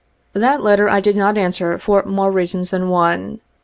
That letter I did not answer for more reasons than one.